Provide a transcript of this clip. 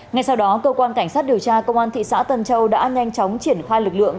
ngay sau đó cơ quan cảnh sát điều tra công an thị xã tân châu đã nhanh chóng triển khai lực lượng